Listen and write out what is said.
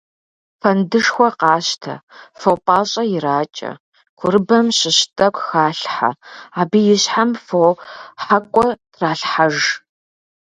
Фэндышхуэ къащтэ, фо пIащIэ иракIэ, курыбэм щыщ тIэкIу халъхьэ, абы и щхьэм фохьэкIуэ тралъхьэж.